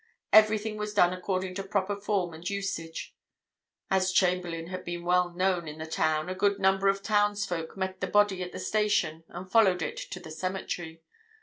Everything was done according to proper form and usage. As Chamberlayne had been well known in the town, a good number of townsfolk met the body at the station and followed it to the cemetery.